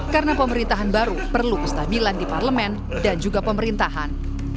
karena pemerintahan baru perlu kestabilan di parlemen dan juga pemerintahan